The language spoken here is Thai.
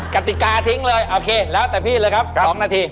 กติกาทิ้งเลยโอเคแล้วแต่พี่เลยครับ๒นาที